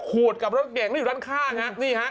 ขูดกับรถเก่งแล้วอยู่ด้านข้างฮะนี่ฮะ